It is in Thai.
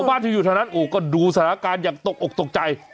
บ้านที่อยู่เท่านั้นโอ้ก็ดูสถานการณ์อย่างตกอกตกใจ